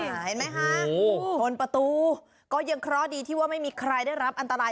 เห็นไหมคะชนประตูก็ยังเคราะห์ดีที่ว่าไม่มีใครได้รับอันตราย